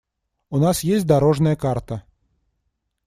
У нас есть дорожная карта.